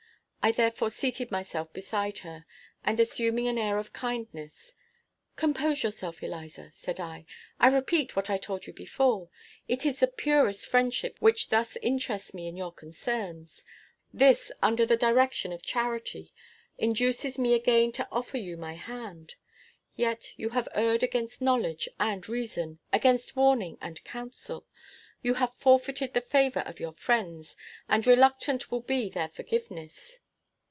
I therefore seated myself beside her; and assuming an air of kindness, "Compose yourself, Eliza," said I; "I repeat what I told you before it is the purest friendship which thus interests me in your concerns. This, under the direction of charity, induces me again to offer you my hand. Yet you have erred against knowledge and reason, against warning and counsel. You have forfeited the favor of your friends, and reluctant will be their forgiveness."